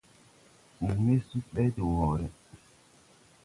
Fuŋ we sug ɓɛ de wɔɔre.